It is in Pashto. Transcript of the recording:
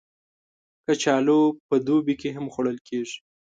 کچالو په دوبی کې هم خوړل کېږي